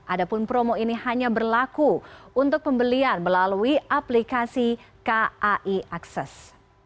adapun promo ini hanya berlaku untuk pembelian melalui aplikasi kai akses